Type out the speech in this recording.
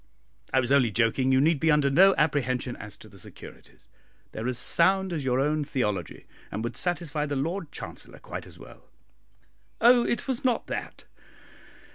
"I was only joking; you need be under no apprehension as to the securities they are as sound as your own theology, and would satisfy the Lord Chancellor quite as well." "Oh, it was not that!